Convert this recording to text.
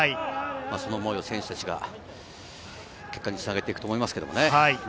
その思いを選手たちが、結果でつなげていくと思います。